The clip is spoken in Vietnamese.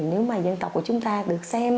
nếu mà dân tộc của chúng ta được xem